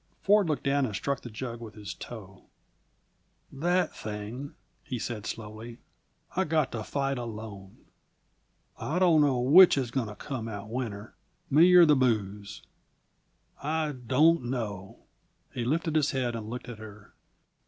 Ford looked down and struck the jug with his toe. "That thing," he said slowly, "I've got to fight alone. I don't know which is going to come out winner, me or the booze. I don't know." He lifted his head and looked at her.